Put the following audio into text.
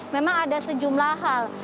memang ada sejumlah hal